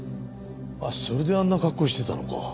それであんな格好をしてたのか。